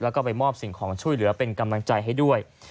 แล้วก็ไปมอบสิ่งของช่วยเหลือเป็นกำลังใจให้ด้วย